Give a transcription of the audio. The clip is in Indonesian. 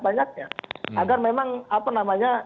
banyaknya agar memang apa namanya